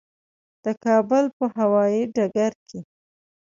د کابل په هوایي ډګر کې.